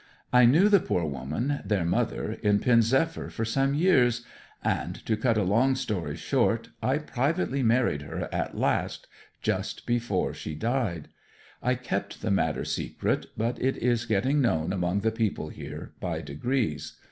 I knew the poor woman, their mother, in Pen zephyr for some years; and to cut a long story short I privately married her at last, just before she died. I kept the matter secret, but it is getting known among the people here by degrees.